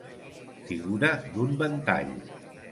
Figura d'un ventall.